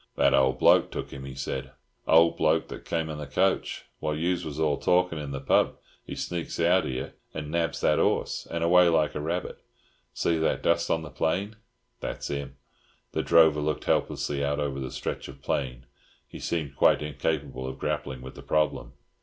"That old bloke took 'im," he said. "Old bloke that come in the coach. While yous was all talking in the pub, he sneaks out here and nabs that 'orse, and away like a rabbit. See that dust on the plain? That's 'im." The drover looked helplessly out over the stretch of plain. He seemed quite incapable of grappling with the problem.